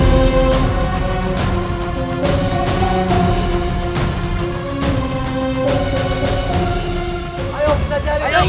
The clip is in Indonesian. tidak bisa naka